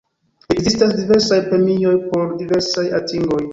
Ekzistas diversaj premioj por diversaj atingoj.